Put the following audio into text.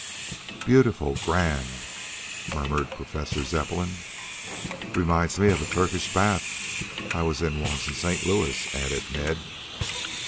"Beautiful! Grand!" murmured Professor Zepplin. "Reminds me of a Turkish bath I was in once in St. Louis," added Ned.